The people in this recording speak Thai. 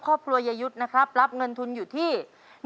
ครอบครัวยายุทธ์ครับรับเงินทุนอยู่ที่๑๐๐๐๐บาท